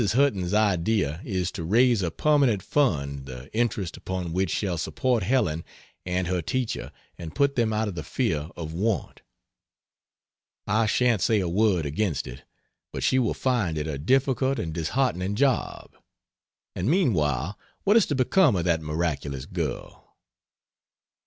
Hutton's idea is to raise a permanent fund the interest upon which shall support Helen and her teacher and put them out of the fear of want. I shan't say a word against it, but she will find it a difficult and disheartening job, and meanwhile what is to become of that miraculous girl?